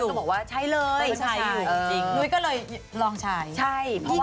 นุ๊คก็เลยลองใช้